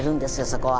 そこは。